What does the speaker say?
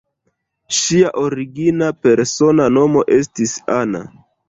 Ŝia origina persona nomo estis "Anna".